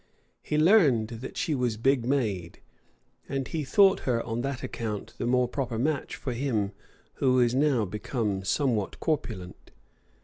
He learned that she was big made; and he thought her on that account the more proper match for him who was now become somewhat corpulent.